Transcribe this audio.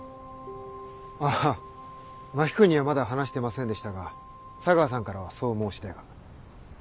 あ真木君にはまだ話してませんでしたが茶川さんからはそう申し出が。